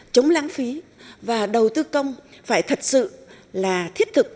chống lãng phí và đầu tư công phải thật sự là thiết thực